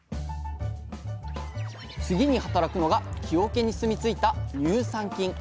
次に働くのが木桶に住みついた乳酸菌。